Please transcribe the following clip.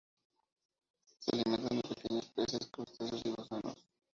Se alimentan de pequeños peces, crustáceos y gusanos.